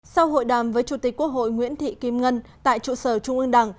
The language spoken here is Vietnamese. sau hội đàm với chủ tịch quốc hội nguyễn thị kim ngân tại trụ sở trung ương đảng